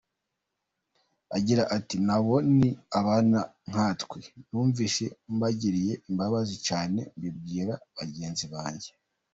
Agira ati "Nabo ni abana nkatwe, numvise mbagiriye imbabazi cyane mbibwira bagenzi banjye.